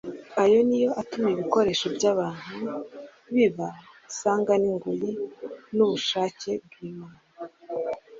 ayo ni yo atuma ibikoresho by'abantu biba isanga n'ingoyi n'ubushake bw'Imana.